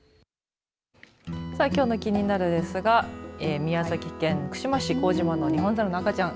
さあ今日のキニナル！ですが宮崎県串間市幸島のニホンザルの赤ちゃん。